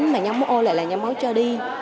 nhưng mà nhóm máu o lại là nhóm máu cho đi